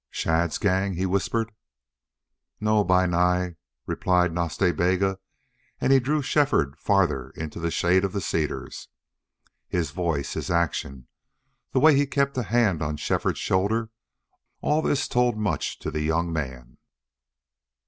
"Shadd's gang!" he whispered. "No, Bi Nai," replied Nas Ta Bega, and he drew Shefford farther into the shade of the cedars. His voice, his action, the way he kept a hand on Shefford's shoulder, all this told much to the young man.